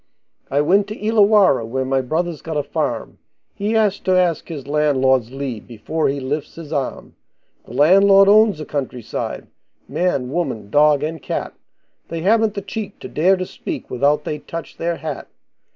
I went to Illawarra, where my brother's got a farm, He has to ask his landlord's leave before he lifts his arm; The landlord owns the country side man, woman, dog, and cat, They haven't the cheek to dare to speak without they touch their hat.